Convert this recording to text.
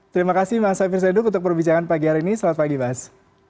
terima kasih mas hafiz reduk untuk perbicaraan pagi hari ini selamat pagi mas